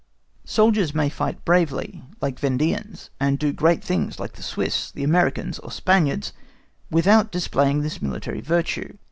Soldiers may fight bravely like the Vendéans, and do great things like the Swiss, the Americans, or Spaniards, without displaying this military virtue.